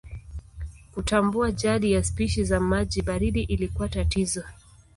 Kutambua jadi ya spishi za maji baridi ilikuwa tatizo.